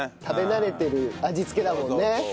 食べ慣れてる味付けだもんね。